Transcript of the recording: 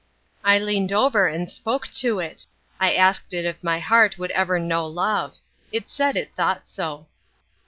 I leaned over and spoke to it. I asked it if my heart would ever know love. It said it thought so.